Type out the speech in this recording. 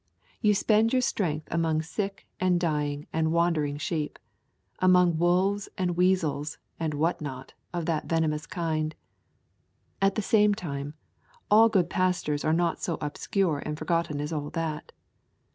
You spend your strength among sick and dying and wandering sheep, among wolves and weasels, and what not, of that verminous kind. At the same time, all good pastors are not so obscure and forgotten as all that.